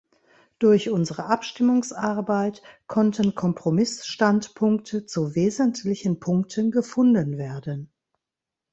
Durch unsere Abstimmungsarbeit konnten Kompromissstandpunkte zu wesentlichen Punkten gefunden werden.